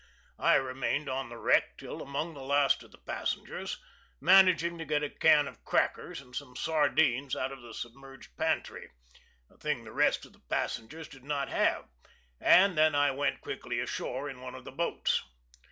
I remained on the wreck till among the last of the passengers, managing to get a can of crackers and some sardines out of the submerged pantry, a thing the rest of the passengers did not have, and then I went quietly ashore in one of the boats.